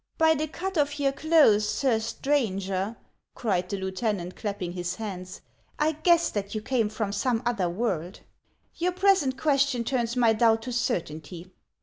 " By the cut of your clothes, sir stranger," cried the lieutenant, clapping his hands, " I guessed that you came from some other world. Your present question turns my doubt to certainty.